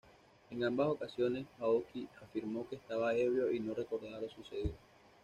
En ambas ocasiones, Aoki afirmó que estaba ebrio y no recordaba lo sucedido.